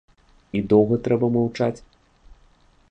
І доўга трэба маўчаць?